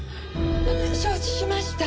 承知しました！